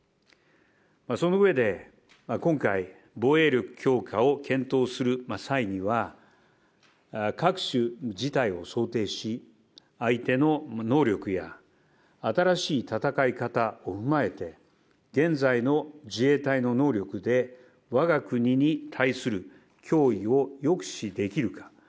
その上で、今回、防衛力強化を検討する際には、各種事態を想定し、相手の能力や新しい戦い方を踏まえて、現在の自衛隊の能力でわが国に対する脅威を抑止できるか。